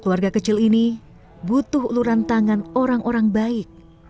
keluarga kecil ini butuh uluran tangan orang orang baik